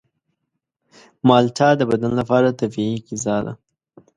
مالټه د بدن لپاره طبیعي غذا ده.